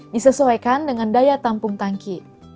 disesuaikan dengan daya tampung tangki